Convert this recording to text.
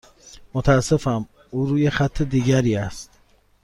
متاسفم، او روی خط دیگری است.